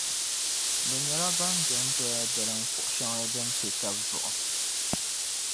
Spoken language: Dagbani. Bɛ nyɛla ban dondoya n-dalim kuɣu shεŋa din pe taba zuɣu.